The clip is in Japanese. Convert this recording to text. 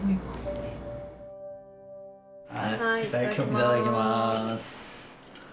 いただきます。